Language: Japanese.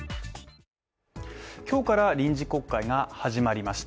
今日から臨時国会が始まりました。